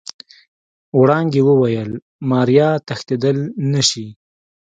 وړانګې وويل ماريا تښتېدل نشي.